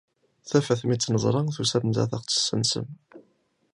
Tafat mi tt-neẓra, tusam-d ad tt-tessensem.